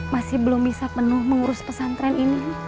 masih belum bisa penuh mengurus pesantren ini